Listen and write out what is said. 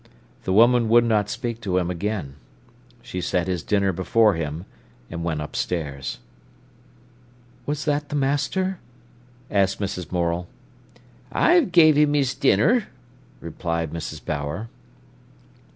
The woman would not speak to him again. She set his dinner before him, and went upstairs. "Was that the master?" asked Mrs. Morel. "I've gave him his dinner," replied Mrs. Bower.